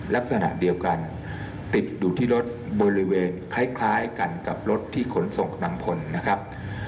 ลักษณะเดียวกันติดอยู่ที่รถบริเวณคล้ายกันกับรถที่ขนส่งนางพลนะครับ